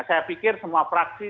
saya pikir semua praksi